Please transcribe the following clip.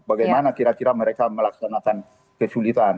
bagaimana kira kira mereka melaksanakan kesulitan